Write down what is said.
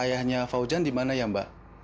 ayahnya fauzan dimana ya mbak